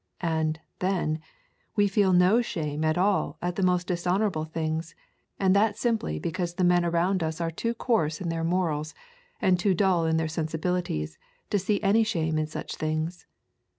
And, then, we feel no shame at all at the most dishonourable things, and that simply because the men around us are too coarse in their morals and too dull in their sensibilities to see any shame in such things.